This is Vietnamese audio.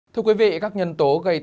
thưa quý vị các nhân tố gây tăng